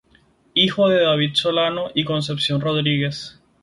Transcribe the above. Hijo de David Solano y Concepción Rodríguez.